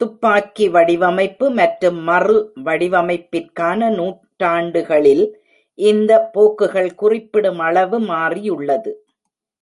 துப்பாக்கி வடிவமைப்பு மற்றும் மறு வடிவமைப்பிற்கான நூற்றாண்டுகளில் இந்த போக்குகள் குறிப்பிடுமளவு மாறியுள்ளது.